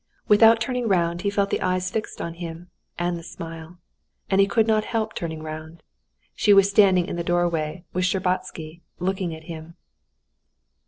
Without turning round he felt the eyes fixed on him, and the smile, and he could not help turning round. She was standing in the doorway with Shtcherbatsky, looking at him.